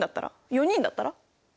４人だったら？